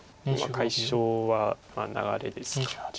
解消はまあ流れですか。